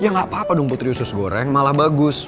ya nggak apa apa dong putri usus goreng malah bagus